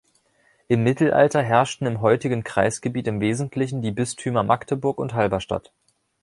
Im Mittelalter herrschten im heutigen Kreisgebiet im Wesentlichen die Bistümer Magdeburg und Halberstadt.